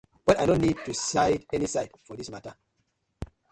Well I no need to side any side for dis matta.